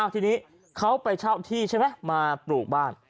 ทีนี้เขาไปเช่าที่ใช่ไหมมาปลูกบ้าน